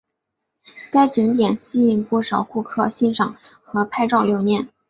该景点吸引不少顾客欣赏和拍照留念。